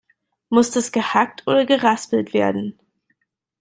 Muss das gehackt oder geraspelt werden?